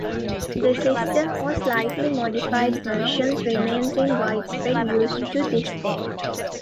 The system, or slightly modified versions, remains in widespread use to this day.